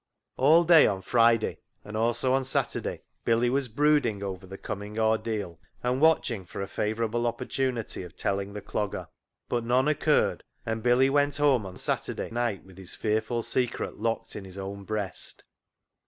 All day on Friday and also on Saturday Billy was brooding over the coming ordeal, and watching for a favourable opportunity of telling the Clogger. But none occurred, and Billy went home on Saturday night with his fearful secret locked in his own breast.